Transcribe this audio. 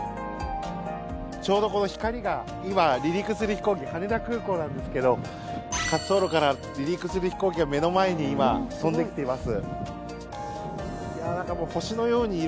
ちょうどこの光が今、離陸する飛行機羽田空港なんですけど滑走路から離陸する飛行機が目の前に今飛んできています。